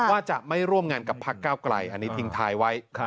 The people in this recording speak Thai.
ว่าจะไม่ร่วมงานกับพักเก้าไกลอันนี้ทิ้งท้ายไว้